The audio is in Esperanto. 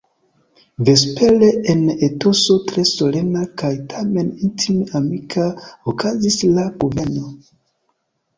Vespere en etoso tre solena kaj tamen intime amika okazis la kunveno.